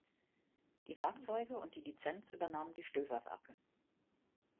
Die Werkzeuge und die Lizenz übernahmen die Stoewer-Werke.